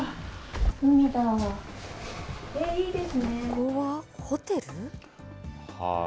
ここはホテル？